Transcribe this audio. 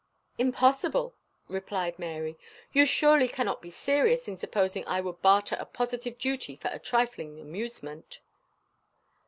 "Impossible!" replied Mary. "You surely cannot be serious in supposing I would barter a positive duty for a trifling amusement?"